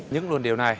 chúng luôn điều này